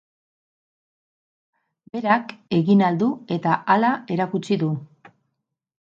Berak egin ahal du eta hala erakutsi du.